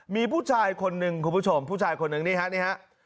มีผู้ชายคนหนึ่งคุณผู้ชมผู้ชายคนหนึ่งนี่ฮะนี่ฮะ